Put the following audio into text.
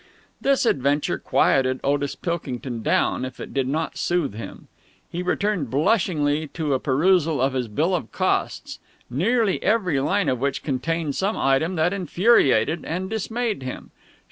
This adventure quieted Otis Pilkington down, if it did not soothe him. He returned blushingly to a perusal of his bill of costs, nearly every line of which contained some item that infuriated and dismayed him.